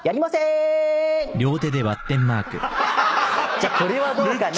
じゃあこれはどうかな？